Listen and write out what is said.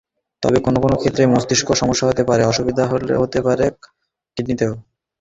তবে কোনো কোনো ক্ষেত্রে মস্তিষ্কে সমস্যা হতে পারে, অসুবিধা হতে পারে কিডনিতেও।